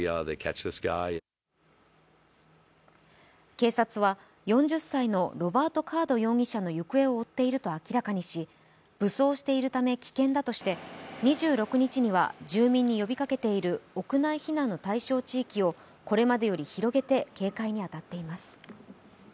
警察は、４０歳のロバート・カード容疑者の行方を追っていると明らかにし武装しているため危険だとして２６日には住民に呼びかけている屋内避難の対象地域をこれまでより広げて警戒に当たっています。